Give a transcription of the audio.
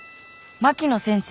「槙野先生